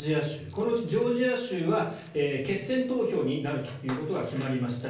このうちジョージア州は決選投票になることが決まりました。